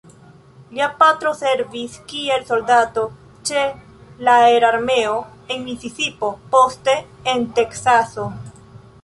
Lia patro servis kiel soldato ĉe la aerarmeo en Misisipo, poste en Teksaso.